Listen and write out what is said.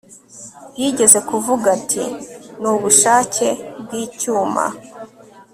yigeze kuvuga ati Ni ubushake bwicyuma